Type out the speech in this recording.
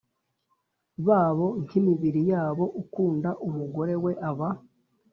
babo nk imibiri yabo Ukunda umugore we aba